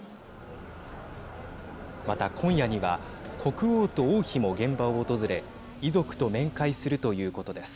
また、今夜には国王と王妃も現場を訪れ遺族と面会するということです。